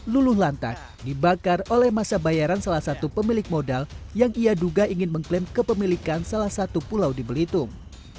luluh lantak dibakar oleh masa bayaran salah satu pemilik modal yang ia duga ingin mengklaim kepemilikan salah satu pulau di belitung